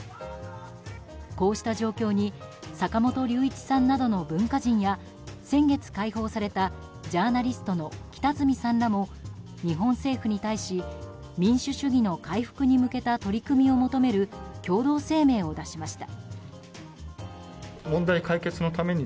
こうした状況に坂本龍一さんなどの文化人や先月解放されたジャーナリストの北角さんらも日本政府に対し民主主義の回復に向けた取り組みを求める共同声明を出しました。